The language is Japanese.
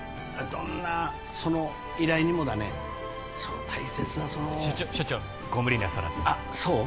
どんなその依頼にもだね大切なその所長所長ご無理なさらずあっそう？